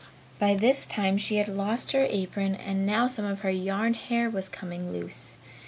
By this time, she had lost her apron and now some of her yarn hair was coming loose.